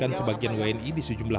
dan apa diaksir kaya orang si bajaj ni